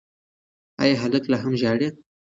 ایا هلک لا هم ژاړي؟